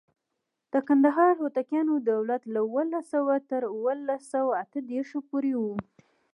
د کندهار هوتکیانو دولت له اوولس سوه تر اوولس سوه اته دیرش پورې و.